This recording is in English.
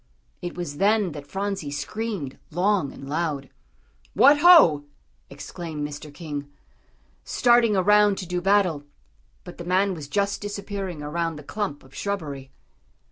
It was then that Phronsie screamed long and loud. "What ho!" exclaimed Mr. King, starting around to do battle; but the man was just disappearing around the clump of shrubbery.